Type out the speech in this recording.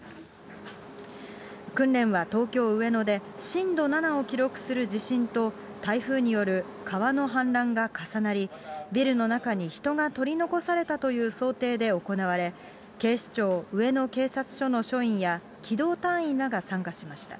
訓練は東京・上野で震度７を記録する地震と、台風による川の氾濫が重なり、ビルの中に人が取り残されたという想定で行われ、警視庁上野警察署の署員や機動隊員らが参加しました。